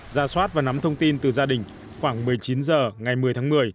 ra soát và nắm thông tin từ gia đình khoảng một mươi chín h ngày một mươi tháng một mươi